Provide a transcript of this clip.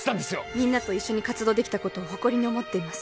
みんなと一緒に活動できたことを誇りに思っています